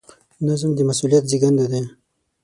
نظم د مسؤلیت زېږنده دی.